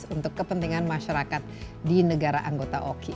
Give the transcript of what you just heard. untuk kepentingan masyarakat di negara anggota oki